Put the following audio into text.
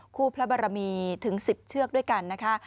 คู่พระบรมีถึง๑๐เชือกด้วยกันนะคะ